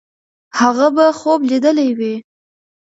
هغه به خوب لیدلی وي.